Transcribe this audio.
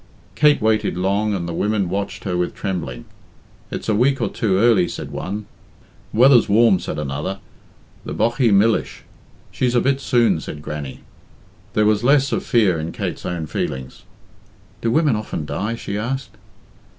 Kate waited long, and the women watched her with trembling. "It's a week or two early," said one. "The weather's warm," said another. "The boghee millish! She's a bit soon," said Grannie. There was less of fear in Kate's own feelings. "Do women often die?" she asked.